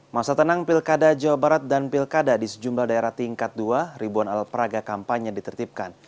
masa tenang pilkada jawa barat dan pilkada di sejumlah daerah tingkat dua ribuan alat peraga kampanye ditertipkan